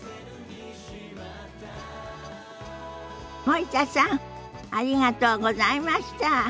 森田さんありがとうございました。